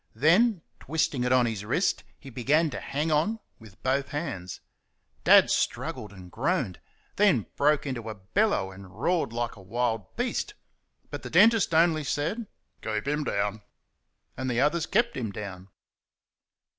Then, twisting it on his wrist, he began to "hang on" with both hands. Dad struggled and groaned then broke into a bellow and roared like a wild beast. But the dentist only said, "Keep him down!" and the others kept him down.